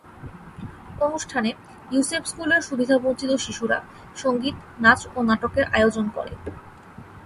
অনুষ্ঠানে ইউসেপ স্কুলের সুবিধাবঞ্চিত শিশুরা সংগীত, নাচ ও নাটকের আয়োজন করে।